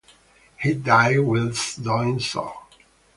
He died whilst doing so.